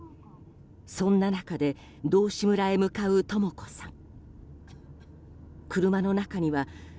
そんな中で道志村へ向かうとも子さん。